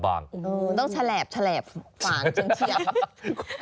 ต้องฉลาบฉลาบฉลาบเฉียงเฉียง